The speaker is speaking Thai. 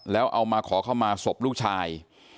แล้วเอามาขอเข้ามาศพลูกชาย